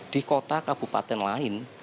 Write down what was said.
di kota kabupaten lain